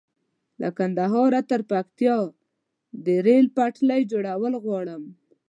له کندهاره تر پکتيا د ريل پټلۍ جوړول غواړم